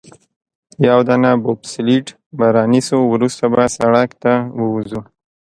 یوه دانه بوبسلیډ به رانیسو، وروسته به سړک ته ووځو.